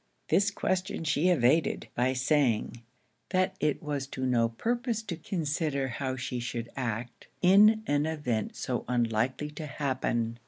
This question she evaded, by saying, 'that it was to no purpose to consider how she should act in an event so unlikely to happen.'